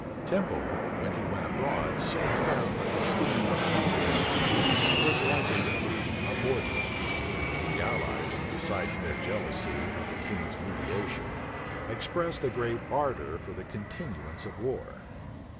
Temple, when he went abroad, soon found that the scheme of mediating a peace was likely to prove abortive. The allies, besides their jealousy of the king's mediation, expressed a great ardor for the continuance of war.